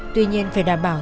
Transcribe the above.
tuy nhiên phải đảm bảo